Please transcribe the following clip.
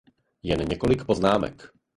Jen několik poznámek.